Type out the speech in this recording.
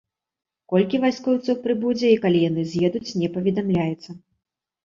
Колькі вайскоўцаў прыбудзе і калі яны з'едуць, не паведамляецца.